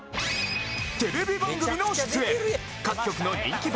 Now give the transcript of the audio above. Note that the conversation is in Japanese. テレビ番組の出演！